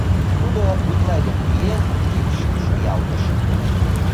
Тудо, Миклай дек миен, кидшым шуялтыш.